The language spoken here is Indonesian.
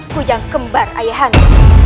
kujang kembar ayahanda